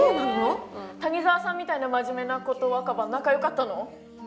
え谷沢さんみたいな真面目な子と若葉仲良かったの？